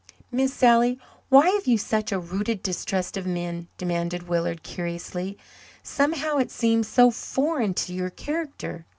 "Miss Sally, why have you such a rooted distrust of men?" demanded Willard curiously. "Somehow, it seems so foreign to your character."